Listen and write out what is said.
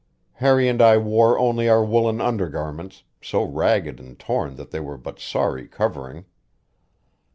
Harry and I wore only our woolen undergarments, so ragged and torn that they were but sorry covering.